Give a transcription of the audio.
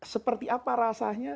seperti apa rasanya